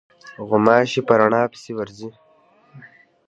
غوماشې په رڼا پسې ورځي.